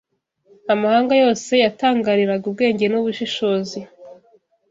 Amahanga yose yatangariraga ubwenge n’ubushishozi